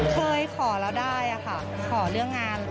เคยขอแล้วได้ค่ะขอเรื่องงาน